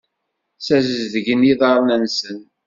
Ssazedgen iḍarren-nsen.